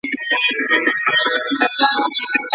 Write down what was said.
د لاس لیکنه د زده کوونکي کرکټر جوړوي.